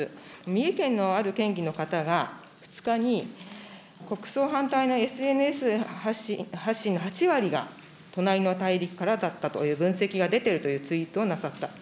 三重県のある県議の方が、２日に国葬反対のＳＮＳ発信の８割が、隣の大陸からだったという分析が出ているというツイートをなさった。